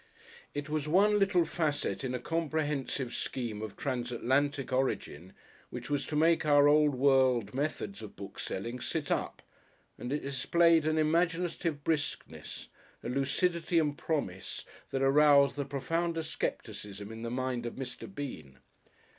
It was one little facet in a comprehensive scheme of transatlantic origin, which was to make our old world methods of book selling "sit up," and it displayed an imaginative briskness, a lucidity and promise that aroused the profoundest scepticism in the mind of Mr. Bean.